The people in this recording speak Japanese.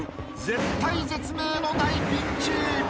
絶体絶命の大ピンチ！］